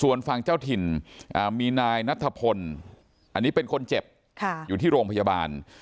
ส่วนฝั่งเจ้าถิ่นมีนายนัทพลอันนี้เป็นคนเจ็บอยู่ที่โรงพยาบาล